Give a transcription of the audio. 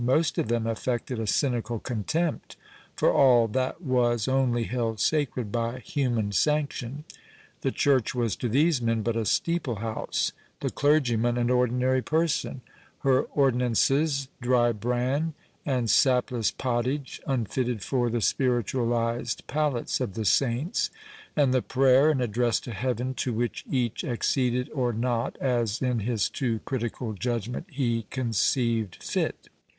Most of them affected a cynical contempt for all that was only held sacred by human sanction—the church was to these men but a steeple house, the clergyman, an ordinary person; her ordinances, dry bran and sapless pottage unfitted for the spiritualized palates of the saints, and the prayer, an address to Heaven, to which each acceded or not as in his too critical judgment he conceived fit.